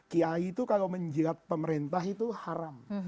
kiai itu kalau menjilat pemerintah itu haram